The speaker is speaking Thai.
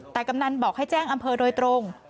แต่กำนันบอกให้แจ้งอำเภอโดยตรง